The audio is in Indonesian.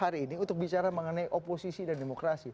karena kita sudah berbicara mengenai oposisi dan demokrasi